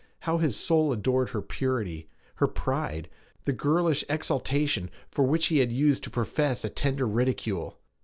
How his soul adored her purity, her pride, the girlish exaltation for which he had used to profess a tender ridicule!